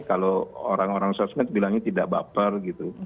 kalau orang orang sosmed bilangnya tidak baper gitu